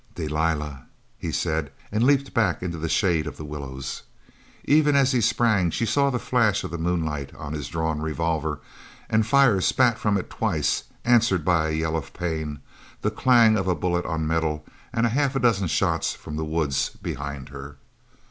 "Delilah!" he said, and leaped back into the shade of the willows. Even as he sprang she saw the flash of the moonlight on his drawn revolver, and fire spat from it twice, answered by a yell of pain, the clang of a bullet on metal, and half a dozen shots from the woods behind her.